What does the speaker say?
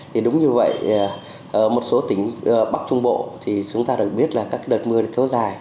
thì đúng như vậy một số tỉnh bắc trung bộ thì chúng ta được biết là các đợt mưa kéo dài